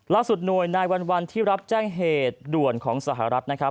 ล่าสุดหน่วย๙๑๑ที่รับแจ้งเหตุด่วนของสหรัฐนะครับ